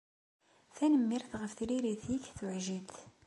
Tanemmirt ɣef tririt-ik tuɛjilt.